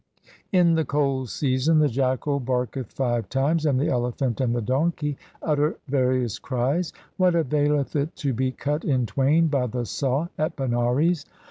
In the cold season the jackal barketh five times, and the elephant and the donkey utter various cries. What availeth it to be cut in twain by the saw at Banaras?